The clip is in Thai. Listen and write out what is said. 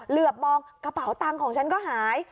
เหลือบมองกระเป๋าตังค์ของฉันก็หาย